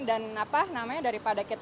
dan apa namanya daripada kita